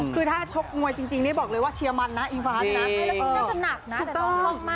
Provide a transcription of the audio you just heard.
คือถ้าชกมือยจริงนี่บอกซิว่าเชียร์มันนะอิงฟ้านะ